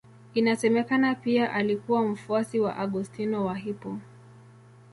Inasemekana pia alikuwa mfuasi wa Augustino wa Hippo.